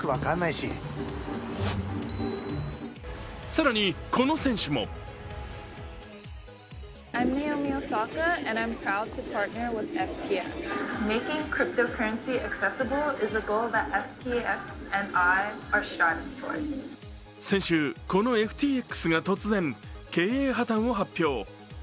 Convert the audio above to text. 更に、この選手も先週、このＦＴＸが突然経営破綻を発表。